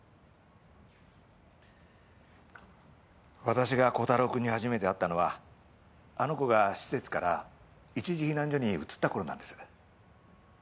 私がコタローくんに初めて会ったのはあの子が施設から一時避難所に移った頃なんです。